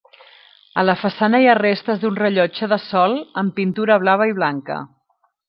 A la façana hi ha restes d'un rellotge de sol amb pintura blava i blanca.